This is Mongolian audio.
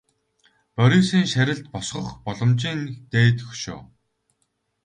Борисын шарилд босгох боломжийн дээд хөшөө.